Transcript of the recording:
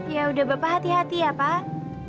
ya udah bapak hati hati ya pak